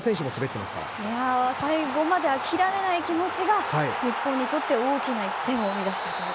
最後まで諦めない気持ちが日本にとって大きな１点を生み出したと。